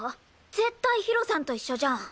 絶対ひろさんと一緒じゃん！